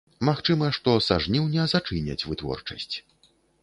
Магчыма, што са жніўня зачыняць вытворчасць.